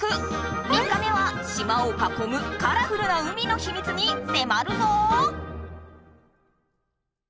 ３日目は島をかこむカラフルな海のヒミツにせまるぞ！